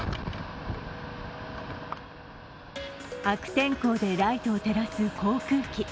悪天候でライトを照らす航空機。